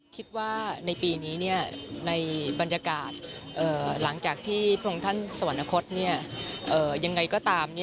คิดว่าในปีนี้ในบรรยากาศหลังจากที่พระองค์ท่านสวรรคตยังไงก็ตาม